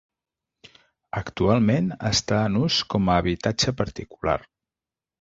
Actualment està en ús com a habitatge particular.